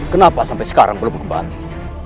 kenapa sampai sekarang belum kembali